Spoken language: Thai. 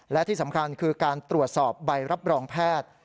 และที่สำคัญคือการตรวจสอบใบรับรองแพทย์